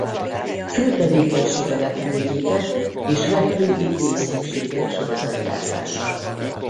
Fő tevékenysége repülőgépek és repülőgép-részegységek sorozatgyártása.